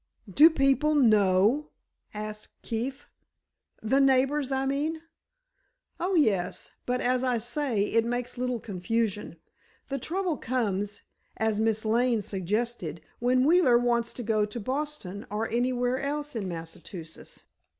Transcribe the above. "Do people know?" asked Keefe. "The neighbors, I mean." "Oh, yes; but, as I say, it makes little confusion. The trouble comes, as Miss Lane suggested, when Wheeler wants to go to Boston or anywhere in Massachusetts."